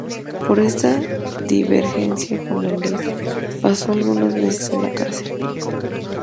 Por esta divergencia con la ley pasó algunos meses en la cárcel.